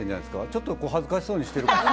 ちょっと恥ずかしそうにしてる。